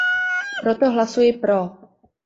Proto hlasuji pro.